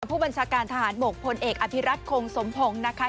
ผู้บัญชาการทหารบกพลเอกอภิรัตคงสมพงศ์นะคะ